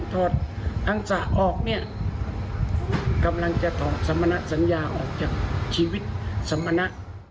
ถอดอังสะออกเนี่ยกำลังจะถอดสมณะสัญญาออกจากชีวิตสมณะ